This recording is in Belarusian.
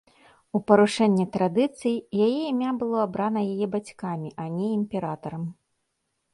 У парушэнне традыцый, яе імя было абрана яе бацькамі, а не імператарам.